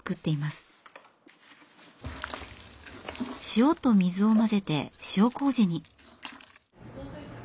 塩と水を混ぜて塩こうじに。